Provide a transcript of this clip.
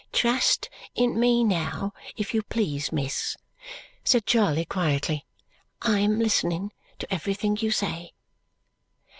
"Trust in me now, if you please, miss," said Charley quietly. "I am listening to everything you say."